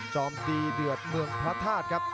อมดีเดือดเมืองพระธาตุครับ